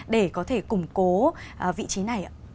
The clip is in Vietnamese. để có thể củng cố vị trí này